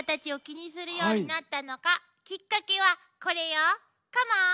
きっかけはこれよ。カモーン！